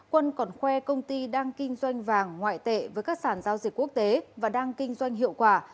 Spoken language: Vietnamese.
quân còn khoe công ty đang kinh doanh vàng ngoại tệ với các sản giao dịch quốc tế và đang kinh doanh hiệu quả